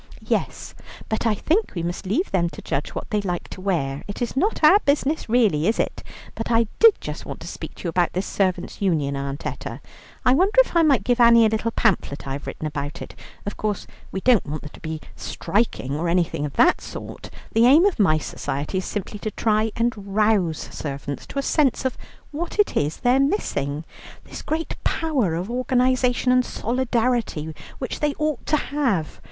"Yes, but I think we must leave them to judge what they like to wear; it is not our business really, is it? But I did just want to speak to you about this Servants' Union, Aunt Etta. I wonder if I might give Annie a little pamphlet I have written about it. Of course, we don't want them to be always striking or anything of that sort. The aim of my Society is simply to try and rouse servants to a sense of what it is they're missing this great power of organization and solidarity which they ought to have.